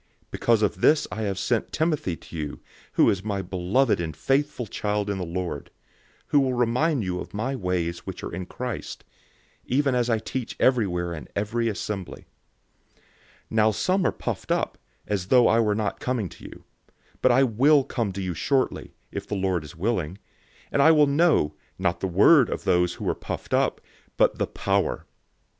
004:017 Because of this I have sent Timothy to you, who is my beloved and faithful child in the Lord, who will remind you of my ways which are in Christ, even as I teach everywhere in every assembly. 004:018 Now some are puffed up, as though I were not coming to you. 004:019 But I will come to you shortly, if the Lord is willing. And I will know, not the word of those who are puffed up, but the power.